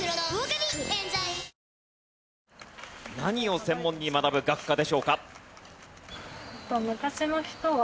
何を専門に学ぶ学科でしょうか？